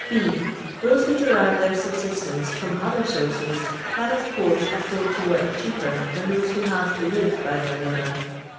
*' h. Tho6e who derive their subsistence from other sources can, of course, afford to work cheaper than those who have to live by their labour.